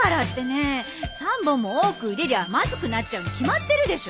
え３本も多く入れりゃまずくなっちゃうに決まってるでしょ！